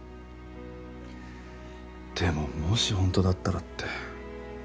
でももしほんとだったらって。